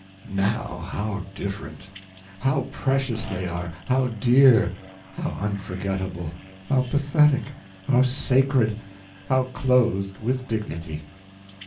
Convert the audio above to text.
Now, how different! how precious they are, how dear, how unforgettable, how pathetic, how sacred, how clothed with dignity!